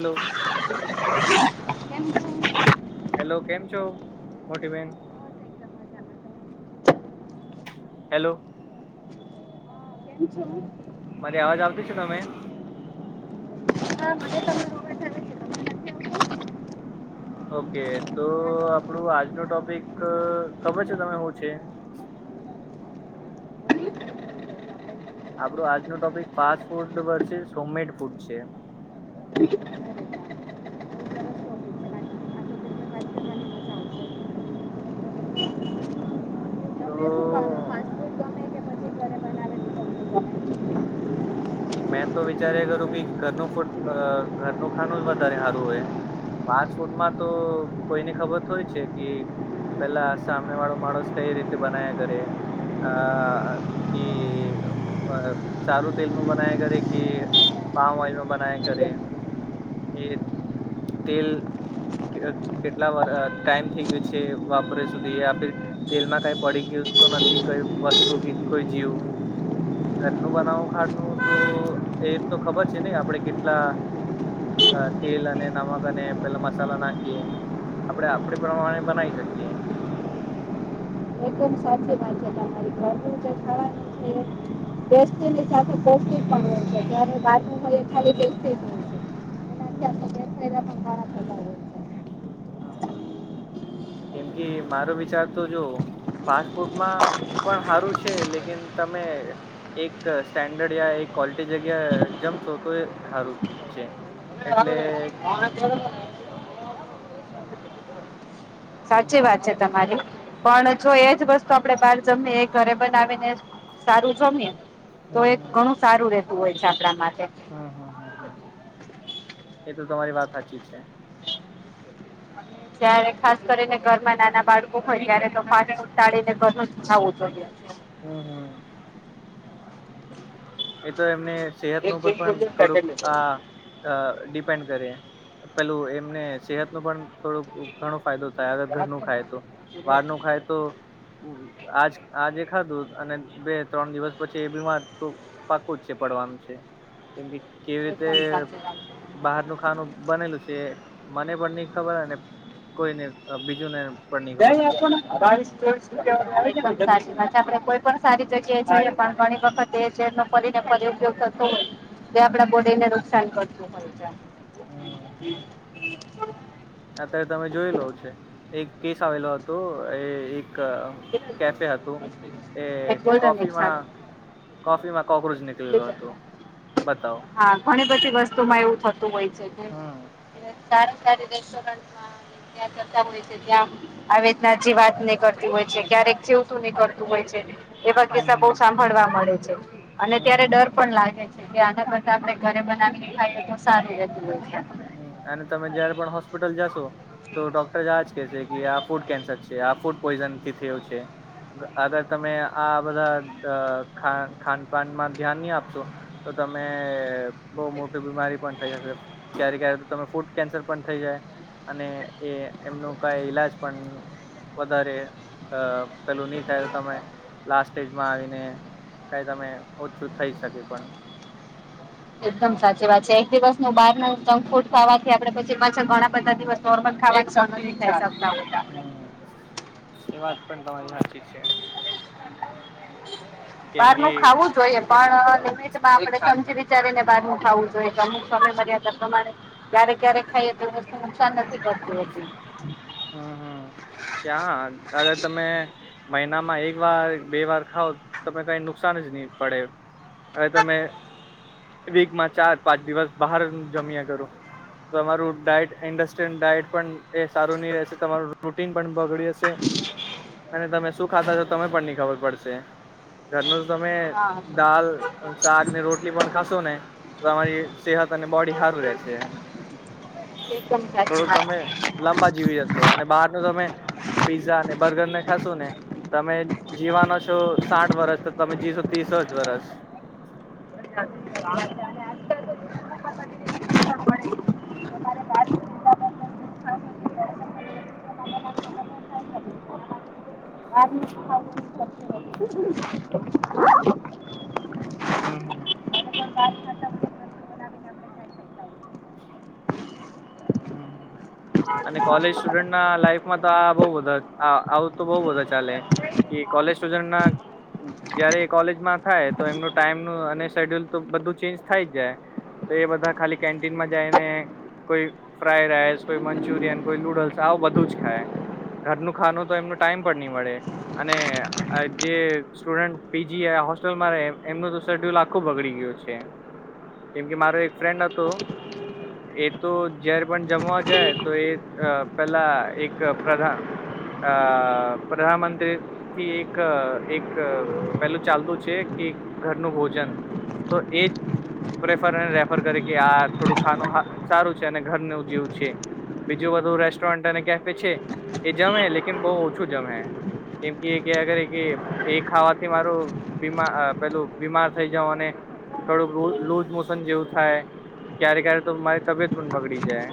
Hello કેમ છો. Hello કેમ છો મોટી બેેન. એકદમ મજામાં. તમે? હેલો. પછ [inaudible] મારી અવાજ આવતી છે તમે. હા મને તમે. ઓકે તો આપડું આજનો ટોપિક ખબર છે તમે હું છે. આપડું આજનો ટોપિક પાસપોર્ડ સો મેુટ છે. કી [inaudible] હા. કે પછી ઘરે બનાવેલું તમને ગમે? મેં તો વિચારે કરું કિ ઘરનું ફૂડ અ ઘરનું ખાનું જ વધારે હારું હોય‌. ફાસ્ટ ફૂડ માં તો કોઈની ખબર થોડી છે કે. પેલા સામને વાળો માણસ કઈ રીતે બના્યા કરે. અ કે પ સારું તેલ. નુ બનાયા કરે કે પામોવેલ બનાયા કરે એ. તેલ. કે કેટલા વર અ ટાઈમ થઈ ગયું છે વાપોરે સુધી આ. તેલમાં કઈ પડી ગયું તો નથી કઈ વસ્તુ કે કોઈ જીવ ઘરનું બનાવું ખાડનું તો એ તો ખબર છે નને આપડે કેટલા અ તેલ અને નમક અને પેલા મસાલા નાખીએ. આપણે આપડે પ્રમાણે બનાવી શકીએ. એકદમ સાચી વાત છે તમારી ઘરનું જે ખાવાનું ટેસ્ટી ની સાથે પોષ્ટિક પણ હોય છે જ્યારે બાર નુ [inaudible] હા. ખાના ખાતા હોય છે. કેમ કે મારો વિચાર તો જો. ફાસ્ટ ફૂડમાં પણ સારું છે લેકીન તમે. એક સ્ટેન્ડર્ડ યા એક કોલિટી જગ્યા જમશો તો એ સારું છે. હોય એટલે. [unintelligible] [inaudible] હમ સાચી હમ વાત છે તમારી પણ જો એજ વસ્તુ આપડે બાર જમી એ ઘરે બનાવીને સારું જમીએ તો હમ એ હમ ઘણું સારું રેતું હોય છે આપણા માટે એ તો તમારી વાત સાચી છે. ત્યારે ખાસ કરીને ઘર માં નાના બાળકો હોય ત્યારે તો ફટણ ઉટાળીને ઘરું નુ જ ખાઉ જોઈએ. હા હા. એ તો એમને સેહત નું એકદમ પણ સાચી વાત છે. થોડુંક આ એકદમ અ ડિપેન્ડ કરે પેલું એમને સેહતનું પણ થોડુંક ઘણો ફાયદો થાય અગર સાચી વાત ઘરનું ખાય તો બારનું ખાય તો આજ આજે ખાધું અને બે ત્રણ દિવસ પછી એ બીમાર પાકું જ છે પડવાનું છે કેમ કે કેવી રીતે બહારનું ખાનું બનેલું છે મને પણ નઈ ખબર અને કોઈને બીજું ને પણ નહી ખબર. બેલ આપો ને બાવિશ પેલેસ્ટ. સાચી છે આપણે કોઈ પણ સારી જગ્યાએ જઈએ [inaudible] પણ ઘણી વખત એ જે તમને ફરીને ફરી ઉપયોગ થતો હોય તો આપણા બોડીને નુકસાન કરતું હોય છે. હમ. અત્યારે તમે જોઈ લો છો એક કેસ આવેલો હતો એ એક એક અ કેફે હતું એ હોય ગોલ્ડન કોફીમાં કોફીમાં કોક્રોચ નીકળેલો હતો બતાવો. હા ઘણી બધી વસ્તુ માં એવું થતું હોય છે કે હમ સારી સારી રેસ્ટોરન્ટમાં ત્યાં જતા હોય છે ત્યાં આવેદના જિવાક નિકળતી હોય ક્યારેક જીવતું નિકળતું હોય છે એવા હમ કિસ્સા બહુ હમ સાંભળવા મળે છે. અને ત્યારે હમ હમ ડર પણ લાગે છે કે આના કરતા આપડણે ઘરે બનાવીને ખાઈએ તો સારી રહેતું હોય છે એમ. હ અને તમે જયારે પણ હોસ્પિટલ જાશો તો ડોક્ટર આજ કેશે કે આ ફૂડ કેન્સર છે, આ ફૂડ પોઈઝન થી થયું છે. અગર તમે આ બધા ખાન ખાનપાનમાં ધ્યાન નહીં આપશો તો તમે બહુ મોટી બીમારી પણ થઈ હકે. ક્યારે-ક્યારે તમે ફૂડ કેન્સર પણ થઈ જાય. અને એ એમનું કંઈ ઈલાજ પણ વધારે અહ પેલું ની થાય તો તમે લાસ્ટ સ્ટેજમાં આવીને કાંઈ તમે ઓછું થઈ શકે પણ. એકદમ સાચી વાત છે. એક દિવસ નું બહારનું જંક ફૂડ ખાવાથી આપડે પછી પાછા ઘણા બધા દિવસ નોર્મલ ખાવાનું સહન નથી કરી શકતાં. હમ્મ. એ વાત પણ તમારી હાચી છે. [inaudible] બહાર નું ખાવું જોઈએ પણ લિમિટમાં આપણે સમજી વિચારીને બહાર નુ ખાવું જોઈએ, કે અમુક સમય મર્યાદા પ્રમાણે ક્યારે-ક્યારે ખાઈએ તો એ વસ્તુ નુકસાન નથી કરતી હોતી. હમ્મ-હમ્મ. ક્યાં અગર તમે મહિનામાં એક વાર, બે વાર ખાવ તો પહી કાંઈ નુકસાન જ ની પડે. હવે તમે વીકમાં ચાર પાંચ દિવસ બહાર જ જમ્યા કરો તમારું ડાઈટ ઇન્ડસ્ટ ડાયટ પણ એ સાર રું ની રહેશે, તમારું રૂટીન પણ બગડી જશે. અને તમે શું ખાતા છો, તમે પણ નહીં ખબર પડશે. ઘરનું તમે દાલ, શાક ને રોટલી પણ ખાશો ને તમારી સેહત અને બોડી સારું રહેશે. એકદમ સાચી થોડુંક તમે લાંબા જીવી હકશો. અને બહાર નુ તમે પીઝા અને બર્ગર ને ખાશો ને તમે જીવવાના છો સાઠ વરસ, તો તમે જીશો તીસ જ વરસ. [inaudible] હમ્મ હમ્મ. [inaudible] હમ્મ હમ્મ. અને કોલેજ સ્ટુડન્ટ ના લાઈફમાં તો આ બવ બધા આવું તો બઉ બધા ચાલે. કે કોલેજ સુજન ના જયારે એ કોલેજમાં થાય તો એમનું ટાઈમનું અને શેડ્યુલ તો બધું ચેન્જ થાય જાય. તો એ બધા ખાલી કેન્ટીનમાં જાયને કોઈ ફ્રાઈ રાઈસ કોઈ મંચુરિયન કોઈ નૂડલ્સ આવું બધું જ ખાય. ઘરનું ખાનું તો એમનો ટાઈમ પણ ની મળે. અને આ જે સ્ટુડન્ટ પી જી હોસ્ટેલમાં રહે એમનું તો શેડ્યુલ આખો બગડી ગ્યો છે. કેમ કે મારો એક ફ્રેન્ડ હતો એ તો જયારે પણ જમવા જાય તો એ અ પેલા એક પ્રધા અ પ્રનામંત્રી થી એક એક પેલું ચાલતું છે કે ઘરનું ભોજન. તો એજ પ્રેફર રેફર કરે કે આ થોડું ખાનું સારું છે. અને ઘર નું જેવું છે. બીજું બધું રેસ્ટોરન્ટ અને કેફે છે એ જમે લેકિન બહુ ઓછું જમે. કેમ કે અગર એ ખાવાથી મારું બીમા પેલું બીમાર થઈ જાવ અને થોડુંક લુઝ મોશન જેવું થાય. ક્યારે ક્યારે તો મારી તબિયત પણ બગડી જાય.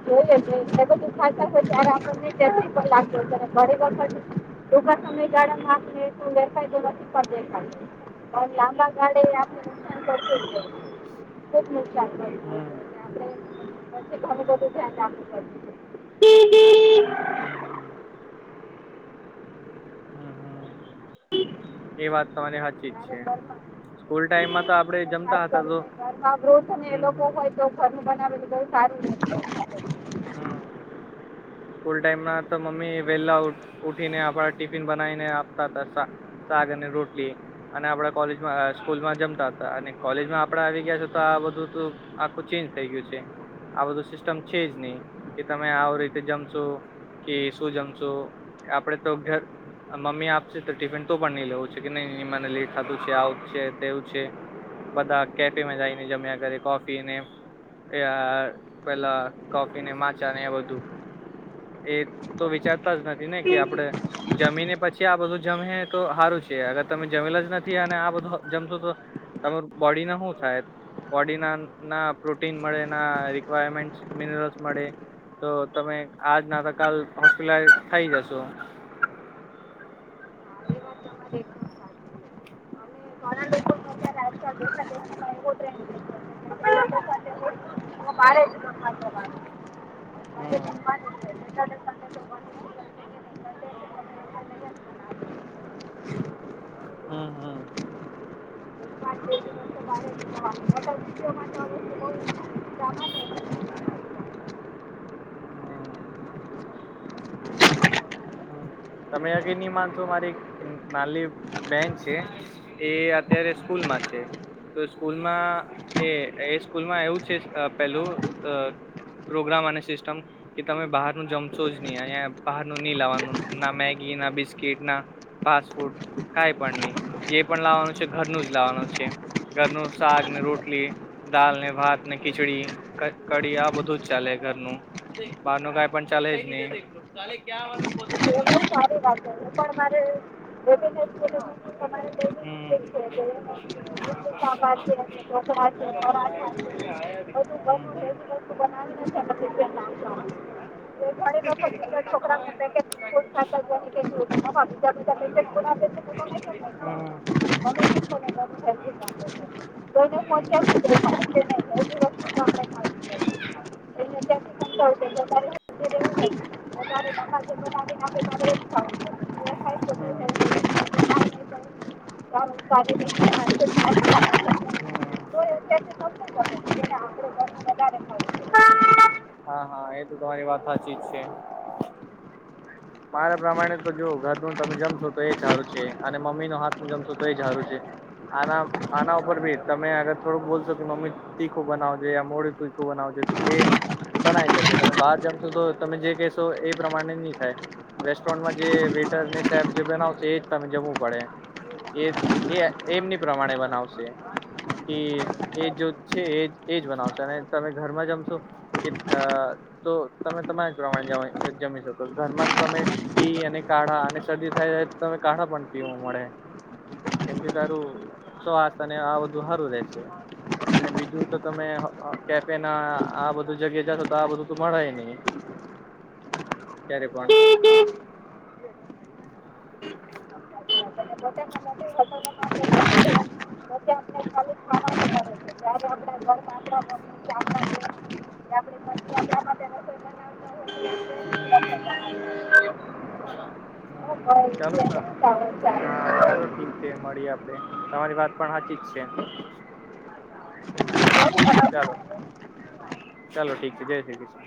જોઈ લે જે બધું દુખાય તો [inaudible] ઘરે તો પછી ટૂંકા સમયગાળામાં આપણને એટલું દેખાય તું નથી. પણ દેખાય પણ લાંબાગાળે આપણે નુકસાન કરતું જ હોય. ખૂબ નુકસાન કર્યું હમ [inaudible] આપણે પછી ઘણી બધી હમ [inaudible] આપણું કર્યું તું. હમ્મ. હમ્મ હમ્મ. એ વાત તમારી હાચી જ છે, ઘરમાં સ્કૂલ ટાઈમમાં તો આપણે અને ખાસ જમતાં હતાં તો કરીને ઘરમાં વૃધ્ધ અને એ હમ લોકો હમ હોય તો ઘરનું બનાવેલું બહુ સારું રે. હમ્મ. સ્કૂલ ટાઈમમાં તો મમ્મી વેહલા ઉ ઉઠીને આપણા ટિફિન બનાઈને આપતાં તા સા શાક અને રોટલી. અને આપડા કોલેજમાં અ સ્કૂલમાં જમતાં તા અને કોલેજમાં આપડે આવી ગયા છે તો આ બધું તો આખું ચેન્જ થઈ ગ્યું છે આ બધું સિસ્ટમ છે જ નહીં કે તમે આવ રીતે જમ શો કે શું જમશો આપડે તો ઘર મમ્મી આપશે તો ટિફિન તો પણ નહીં લેવો છે કે નહીં મને લેટ થતું છે આવું છે તેવું છે. બધા કેફેમાં જાઈને જમ્યા કરે કોફીને એ અ પેલા કોફીને, માચાને એ બધું. એ તો વિચારતાં જ નથી ને કે આપડે જમીને પછી આ બધું જમહે તો હારું છે અગર તમે જમેલા જ નથી અને આ બધું હ જમશો તો તમારું બોડીના હું થાય? બોડીના ના પ્રોટીન મળે ના રિક્વાયરમેન્ટ્સ મિનરલ્સ મળે. તો તમે આજ ના તો કાલ હોસ્પિટલાઈઝ થઈ જશો. એકદમ સાચી છે અને ઘણાં લોકો અત્યારે આજકાલ [inaudible] એવો ટ્રેન્ડ છે. એમાં બારે જમ [inaudible] હમ્મ. [inaudible] હમ્મ હમ્મ. [inaudible] નતર વિડિઓમાં તો બઉ [inaudible] કાયરા. હ. હ તમે યકીન નહીં માનશો મારી એક નાલ્લી બેન છે. એ અત્યારે સ્કૂલમાં છે. તો સ્કૂલમાં એ એ સ્કૂલમાં એવું છે અ પેલું પ્રોગ્રામ અને સિસ્ટમ કે તમે બહારનું જમશો જ ની અયા બહારનું ની લાવાનું. ના મેગી, ના બિસ્કીટ, ના ફાસફૂડ કાઈ પણ નહીં જે પણ લાવાનું છે ઘરનું જ લાવવાનું છે ઘરનું શાક ને રોટલી. દાલને ભાતને ખીચડી, ક કઢી આ બધું જ ચાલે ઘરનું. બહારનું કાઈ પણ ચાલે જ નહીં. [unintelligible] લાગે હું પણ મારે બે ત્રણ [inaudible] ઇડલી હમ્મ. સાંભાર છે કે ઢોકળા છે હમ્મ પરાઠા છે બધું ઘરનું હેલ્ધી હમ્મ. બનાવીને [inaudible] ઘણી વખત બીજા છોકરાઓને પેકેટ [unintelligible] હમ [unintelligible] હમ [inaudible] [unintelligible] વધારે મગજ ઉપર આવીને [inaudible] એજ થાવાનુ છે પછી [inaudible] [inaudible] તો ય હમ હમ [inaudible] જે ને આકડો [inaudible] હા હા એ તો તમારી વાત હાચી જ છે. મારા પ્રમાણે તો જો ઘરનું તમે જમશો તો એ સારું છે અને મમ્મીના હાથનું જમશો તો એ સારું છે. આના આના ઉપર ભી તમે અગર થોડુંક બોલશો મમ્મી તીખું બનાવજે યા મોડું તીખું બનાવજે તો એ બનાઈ શકે તમે બહાર જમશો તો તમે જે કહેશો એ પ્રમાણે ની થાય. રેસ્ટોરન્ટમાં જે વેટર ની સાેબ જે બનાવશે એજ તમે જમવું પડે. એ એ એમની પ્રમાણે બનાવશે. કે એ જો છે એજ એજ બનાવશે અને તમે ઘરમાં જમશો. કે અ તો તમે તમારા જ પ્રમાણે જ જમી શકો ઘરમાં તમે પી અને કાઢા અને શરદી થાય જાય તો તમે કાઢા પણ પીવું મળે. એમથી તારું ચોસ તને આ બધું સારું રહેેશે. અને બીજું તો તમે કેફે ના આ બધું જગ્યા જશો તો આ બધું તો મળાય નહી. ક્યારે પણ. છે અને પોતાના માટે હોટલમાં આપણે [inaudible] ખાઈએ પોતે આપણે ખાલી ખાવાનું કરે છે જ્યારે આપણા ઘરમાં આપણા મમ્મી કે આપણા બેન કે આપણી પત્ની આપણા માટે રસોઈ બનાવતા હોય તો આપણે રસોઈ બનાવીએ. હમ હમ. ઓ હમ ચાલો તો [unintelligible] હા ચાલો ઠીક છે મળીએ આપડે, તમારી વાત પણ હચીક છે. ચાલો, ચાલો ઠીક છે જય શ્રી કૃષ્ણ.